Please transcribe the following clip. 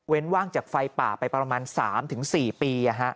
ว่างจากไฟป่าไปประมาณ๓๔ปี